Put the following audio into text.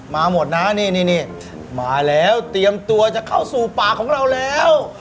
มาหมดนะนี่มาแล้วเตรียมตัวจะเข้าสู่ปากของเราแล้ว